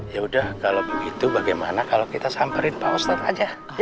yaudah kalau begitu bagaimana kalau kita sambarin pak ustadz aja